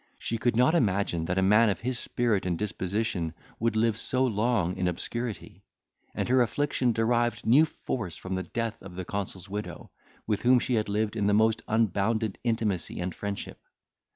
She could not imagine that a man of his spirit and disposition would live so long in obscurity. And her affliction derived new force from the death of the consul's widow, with whom she had lived in the most unbounded intimacy and friendship.